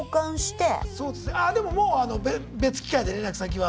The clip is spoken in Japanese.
あでももう別機会で連絡先は。